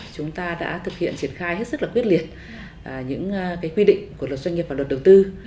chúng ta đã thực hiện triển khai hết sức là quyết liệt những quy định của luật doanh nghiệp và luật đầu tư